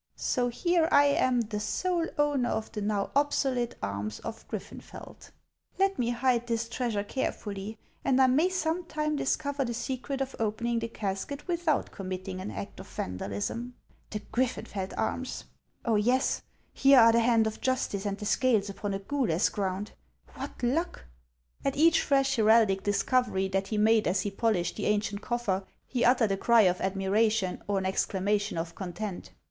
So here I am the sole owner of the now obsolete arms of Griffenfeld ! Let me hide this treasure carefully, and I may some time discover the secret of opening the casket without com mitting an act of vandalism. The Griffenfeld arms! Oh, HANS OF ICELAND. 247 yes ! here are the hand of Justice and the scales upon a gules ground. What luck !" At each fresh heraldic discovery that he made as he polished the ancient coffer, he uttered a cry of admiration or an exclamation of content.